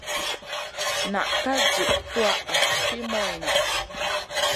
Na ka jik tuwaʼa fi moyna.